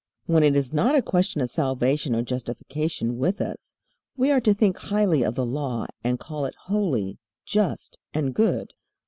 When it is not a question of salvation or justification with us, we are to think highly of the Law and call it "holy, just, and good."